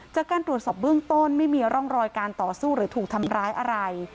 จากการตรวจสอบเบื้องต้นไม่มีร่องรอยการต่อสู้หรือถูกทำร้ายอะไร